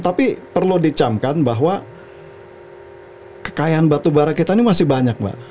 tapi perlu dicamkan bahwa kekayaan batubara kita ini masih banyak mbak